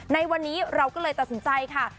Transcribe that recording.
ในวันนี้เราก็เลยตัดสินใจค่ะ